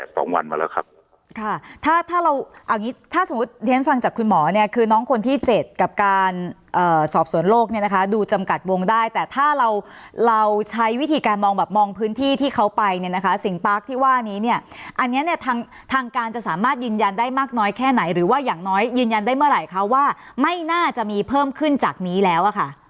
ส่วนโลกดูจำกัดวงได้แต่ถ้าเราใช้วิธีการมองพื้นที่ที่เขาไปสิ่งปาร์คที่ว่านี้อันนี้ทางการจะสามารถยืนยันได้มากน้อยแค่ไหนหรือว่าอย่างน้อยยืนยันได้เมื่อไหร่ว่าไม่น่าจะมีเพิ่มขึ้นจากนี้แล้ว